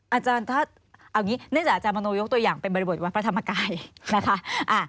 อาจารย์ถ้าเอาอย่างนี้เนื่องจากอาจารย์มโนยกตัวอย่างเป็นบริบทวัดพระธรรมกายนะคะ